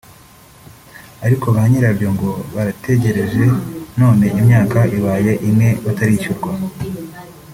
ariko ba nyirabyo ngo barategereje none imyaka ibaye ine batarishyurwa